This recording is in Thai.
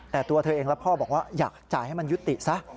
แต่ตัวเธอเองและพ่อบอกว่าอยากจ่ายให้มันยุติซะ